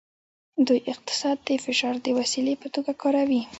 دوی اقتصاد د فشار د وسیلې په توګه کاروي